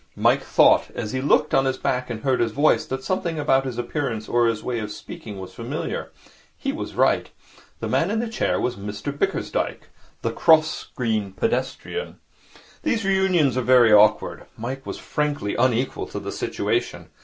Mike had thought, as he looked at his back and heard his voice, that something about his appearance or his way of speaking was familiar. He was right. The man in the chair was Mr Bickersdyke, the cross screen pedestrian. These reunions are very awkward. Mike was frankly unequal to the situation.